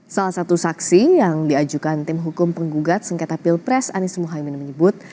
salah satu saksi yang diajukan tim hukum penggugat sengketa pilpres anies mohaimin menyebut